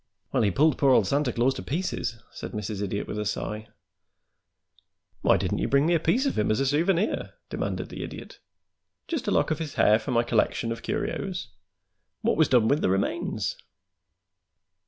"Well, he pulled poor old Santa Claus to pieces," said Mrs. Idiot, with a sigh. "Why didn't you bring me a piece of him as a souvenir?" demanded the Idiot. "Just a lock of his hair for my collection of curios? What was done with the remains?"